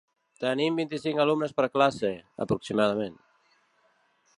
Tenim vint-i-cinc alumnes per classe, aproximadament.